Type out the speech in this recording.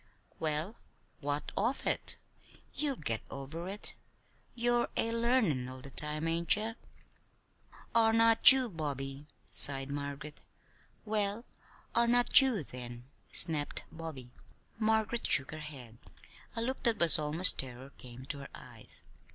"Well, what of it? You'll get over it. You're a learnin' all the time; ain't ye?" "'Are not you,' Bobby," sighed Margaret. "Well, 'are not you,' then," snapped Bobby. Margaret shook her head. A look that was almost terror came to her eyes.